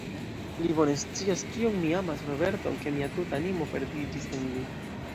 Li bone scias, kiom mi amas Roberton; ke mia tuta animo perdiĝis en li.